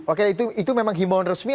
oke itu memang himbauan resmi